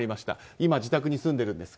今、自宅に住んでるんですか。